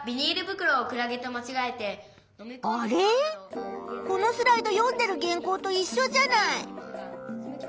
このスライド読んでる原稿といっしょじゃない。